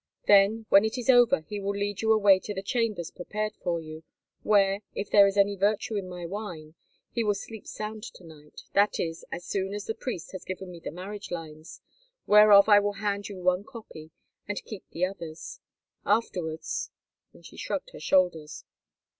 Then, when it is over, he will lead you away to the chambers prepared for you, where, if there is any virtue in my wine, he will sleep sound to night, that is, as soon as the priest has given me the marriage lines, whereof I will hand you one copy and keep the others. Afterwards——" and she shrugged her shoulders.